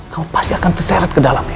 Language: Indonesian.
kamu pasti akan terseret ke dalamnya